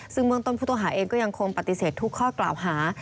ซึ่งเมืองต้นผู้ต้องหาเองก็ยังคงปฏิเสธทุกข้อกล่าวหา